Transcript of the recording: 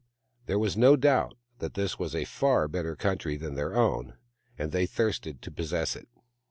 There was no doubt that this was a far better country than their own, and they thirsted to possess it.